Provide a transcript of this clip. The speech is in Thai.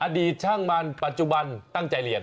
อดีตช่างมาปัจจุบันตั้งใจเรียน